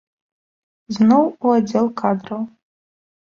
Зноў у аддзел кадраў.